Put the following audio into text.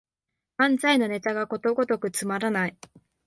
漫才のネタがことごとくつまらない